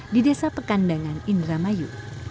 di desa pekandangan indramayu